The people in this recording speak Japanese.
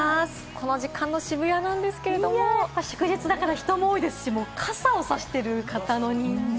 この時間の渋谷なんですけれど、やっぱり祝日ですから、人も多いし、傘をさしてる方の人数！